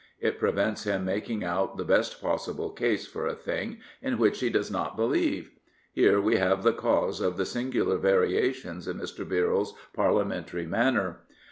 It prevents him making out the best possible case for a thing in which he does not believe. Here we have the cause of the singular variations in Mr. Birrell's L 317 Prophets, Priests, and Kings Parliamentary manner.